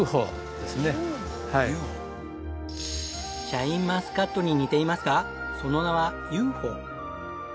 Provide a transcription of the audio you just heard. シャインマスカットに似ていますがその名は雄宝。